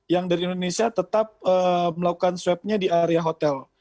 yang dari indonesia tetap melakukan swabnya di area hotel